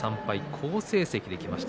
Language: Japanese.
好成績できました。